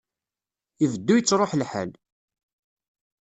Ibeddu ittṛuḥ lḥal.